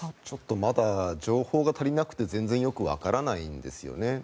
ちょっとまだ情報が足りなくて全然よくわからないんです。